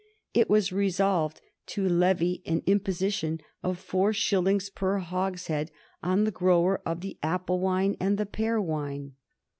It was resolved to levy an imposition of four shillings per hogshead on the grower of the apple wine and the pear wine.